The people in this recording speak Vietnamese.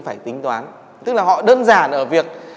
phải tính toán tức là họ đơn giản ở việc